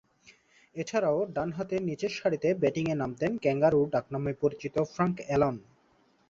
এছাড়াও, ডানহাতে নিচেরসারিতে ব্যাটিংয়ে নামতেন ‘ক্যাঙ্গারু’ ডাকনামে পরিচিত ফ্রাঙ্ক অ্যালান।